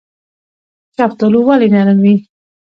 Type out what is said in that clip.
شفتالو ولې نرم وي؟